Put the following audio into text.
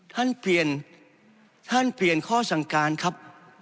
ท่านเปลี่ยนท่านเปลี่ยนข้อสั่งการครับ